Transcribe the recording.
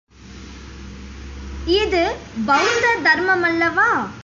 இது பௌத்த தர்மமல்லவா!